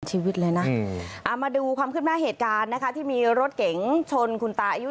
ชีวิตเลยนะเอามาดูความขึ้นหน้าเหตุการณ์นะคะที่มีรถเก๋งชนคุณตาอายุ